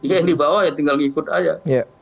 yang di bawah ya tinggal ikut aja